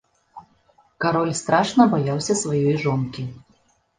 Кароль страшна баяўся сваёй жонкі.